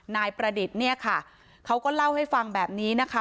นายประดิษฐ์เนี่ยค่ะเขาก็เล่าให้ฟังแบบนี้นะคะ